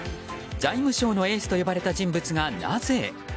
財務省のエースと呼ばれた人物がなぜ？